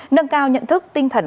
nâng cao nhận thức tinh thần